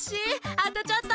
あとちょっと。